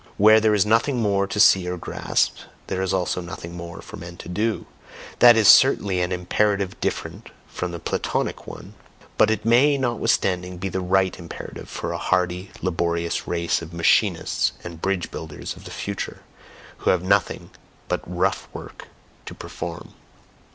"Where there is nothing more to see or to grasp, there is also nothing more for men to do" that is certainly an imperative different from the Platonic one, but it may notwithstanding be the right imperative for a hardy, laborious race of machinists and bridge builders of the future, who have nothing but ROUGH work to perform.